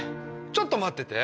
ちょっと待ってて。